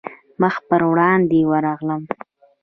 مخ پر وړاندې ورغلم.